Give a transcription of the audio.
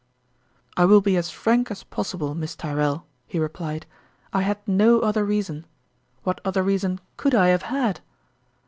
"]" I will be as frank as possible, Miss Tyrrell," he replied. "I had no other reason. What other reason could I have had